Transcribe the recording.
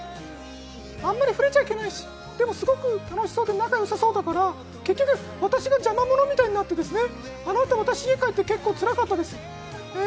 あんまり触れちゃいけないし、でも、すごく楽しそうで、仲よさそうだから、結局私が邪魔者みたいになってですね、あのあと私、家帰って、結構つらかったです。